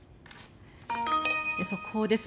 速報です。